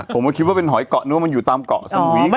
ผมว่าคิดมันเป็นหอยเกาะนึงว่ามันอยู่ตามเหมาะ